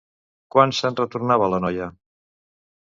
Quan se'n retornava la noia?